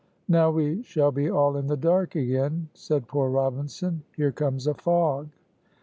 "Now we shall be all in the dark again," said poor Robinson, "here comes a fog."